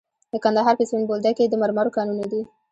د کندهار په سپین بولدک کې د مرمرو کانونه دي.